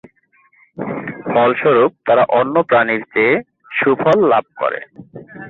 ফলস্বরূপ, তারা অন্য প্রাণীর চেয়ে সুফল লাভ করে।